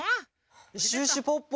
シュッシュポッポ！